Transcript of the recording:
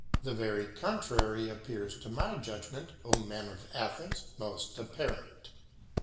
The very con trary appears to my Judgement, O Men of Athens, moft ap parent.